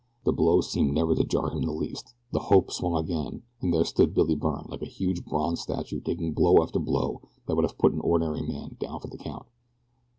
The blow seemed never to jar him the least. The "hope" swung again, and there stood Billy Byrne, like a huge bronze statue taking blow after blow that would have put an ordinary man down for the count.